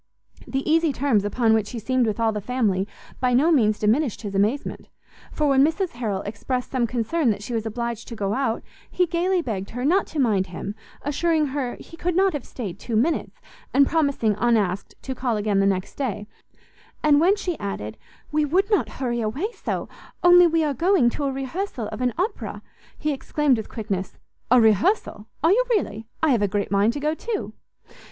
The easy terms upon which he seemed with all the family by no means diminished his amazement; for when Mrs Harrel expressed some concern that she was obliged to go out, he gaily begged her not to mind him, assuring her he could not have stayed two minutes, and promising, unasked, to call again the next day: and when she added, "We would not hurry away so, only we are going to a rehearsal of an Opera," he exclaimed with quickness, "A rehearsal! are you really? I have a great mind to go too!"